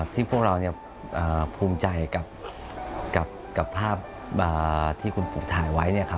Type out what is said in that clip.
พวกเราภูมิใจกับภาพที่คุณปู่ถ่ายไว้